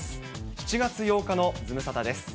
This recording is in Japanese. ７月８日のズムサタです。